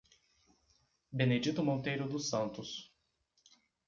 Benedito Monteiro dos Santos